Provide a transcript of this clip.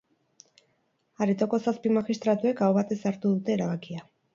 Aretoko zazpi magistratuek aho batez hartu dute erabakia.